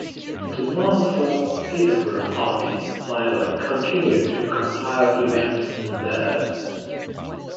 The monks of Peterborough Abbey, however, continued to compile events in theirs.